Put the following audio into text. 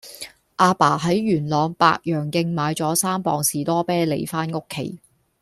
亞爸喺元朗白楊徑買左三磅士多啤梨返屋企